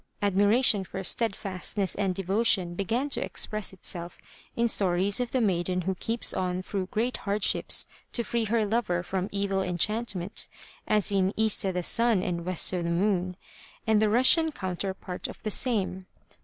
Admiration for steadfastness 183 MY BOOK HOUSE and devotion began to express itself in stories of the maiden who keeps on through great hardships to free her lover from evil enchantment, as in East o' the Sun and West o* the Moon and the Russian counterpart of the same.